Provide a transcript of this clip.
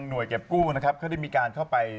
เก็บกู้นะครับเขาได้มีการเข้าไป